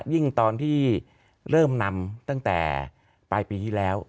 ยิ่งตอนที่เริ่มนำตั้งแต่ปลายปีที่แล้ว